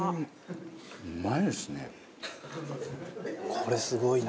これすごいな。